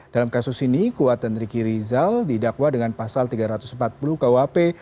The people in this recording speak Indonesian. dalam kasus ini kuat dan riki rizal didakwa dengan pasal tiga ratus empat puluh kuap